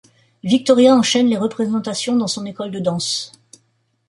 Victoria enchaîne les représentations dans son école de danse.